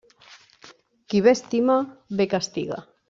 Qui bé estima, bé castiga.